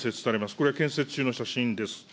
これ、建設中の写真です。